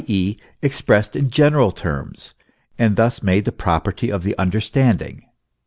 e., expressed in general terms, and thus made the property of the understanding.